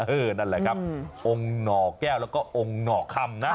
นั่นแหละครับองค์หน่อแก้วแล้วก็องค์หน่อคำนะ